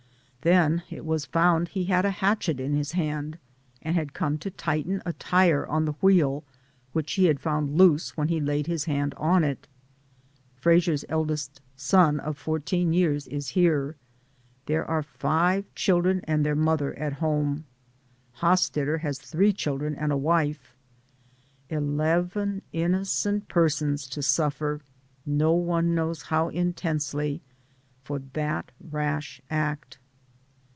Then it was found he had a hatchet in his hand, and had come to tighten a tire on the wheel, which he had found loose when he laid his hand on it. Frasier's eldest son of fourteen years is here. There are five chil dren and their mother at home. Hosstetter has three children and a wife. Eleven in nocent persons to suffer, no one knows how intensely, for that rash act.